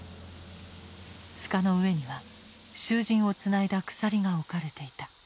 塚の上には囚人をつないだ鎖が置かれていた。